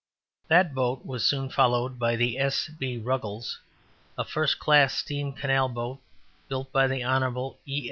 That boat was soon followed by the S. B. Ruggles, a first class steam canal boat, built by the Hon. E.